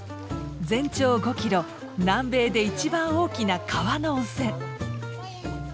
全長５キロ南米で一番大きな川の温泉。